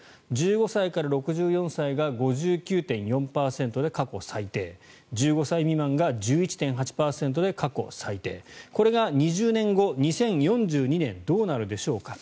１５歳から６４歳が５９．４％で過去最低１５歳未満が１１．８％で過去最低これが２０年後、２０４２年どうなるでしょうか。